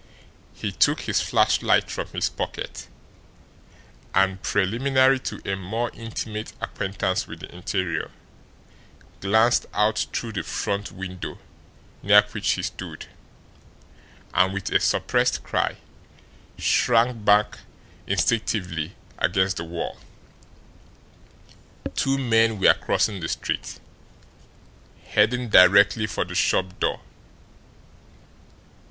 He took his flashlight from his pocket, and, preliminary to a more intimate acquaintance with the interior, glanced out through the front window near which he stood and, with a suppressed cry, shrank back instinctively against the wall. Two men were crossing the street, heading directly for the shop door.